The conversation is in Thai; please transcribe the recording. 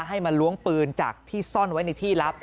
ให้มาล้วงปืนจากที่ซ่อนไว้ในที่ลับ